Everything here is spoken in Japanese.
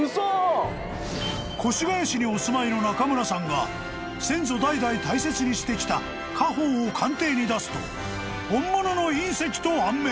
［越谷市にお住まいの中村さんが先祖代々大切にしてきた家宝を鑑定に出すと本物の隕石と判明］